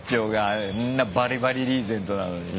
あんなバリバリリーゼントなのに。